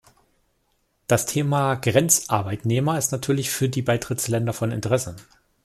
Das Thema Grenzarbeitnehmer ist natürlich für die Beitrittsländer von Interesse.